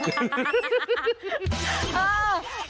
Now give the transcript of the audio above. เออ